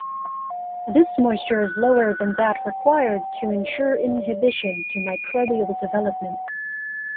This moisture is lower than that required to ensure inhibition to microbial development.